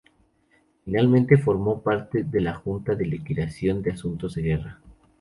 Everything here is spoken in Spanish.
Finalmente, formó parte de la junta de liquidación de Asuntos de Guerra.